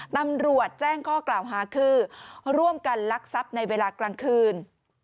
ตำรวจแจ้งข้อกล่าวหาคือร่วมกันลักทรัพย์ในเวลากลางคืน